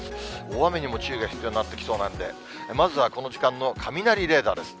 大雨にも注意が必要になってきそうなんで、まずはこの時間の雷レーダーです。